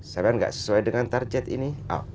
saya kan nggak sesuai dengan target ini